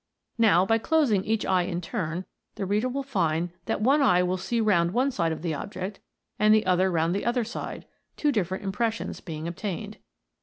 Now, by closing each eye in turn, the reader will find that one eye will see round one side of the object, and the other round the other side, two different impres sions being obtained.